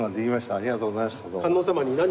ありがとうございましたどうも。